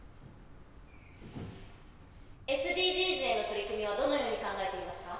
ＳＤＧｓへの取り組みはどのように考えていますか？